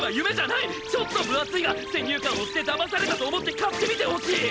ちょっと分厚いが先入観を捨てだまされたと思って買ってみてほしい！